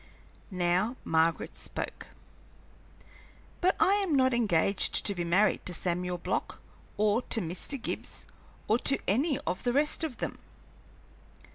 Now Margaret spoke. "But I am not engaged to be married to Samuel Block, or to Mr. Gibbs, or to any of the rest of them."